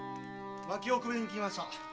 薪をくべに来ました。